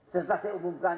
setelah saya umumkan